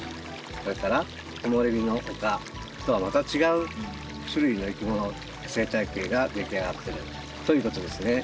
それからこもれびの丘とはまた違う種類のいきもの生態系が出来上がってるということですね。